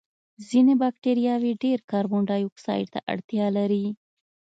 ځینې بکټریاوې ډېر کاربن دای اکسایډ ته اړتیا لري.